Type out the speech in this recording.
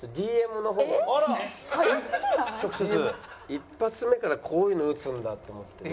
一発目からこういうの打つんだと思ってね。